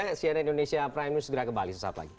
oke sian indonesia prime news segera kembali